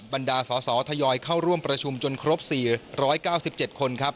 บรรดาสอสอทยอยเข้าร่วมประชุมจนครบ๔๙๗คนครับ